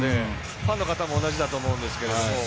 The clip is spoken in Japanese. ファンの方も同じだと思うんですけど。